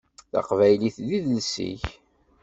Taqbaylit d idles-ik.